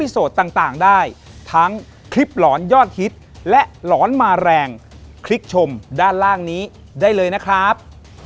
สวัสดีครับ